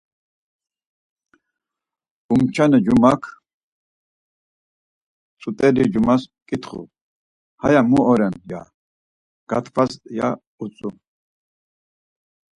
Umçane cumak tzuteli cumas ǩitxu; haya mun oren ya, gatkvas ya utzu.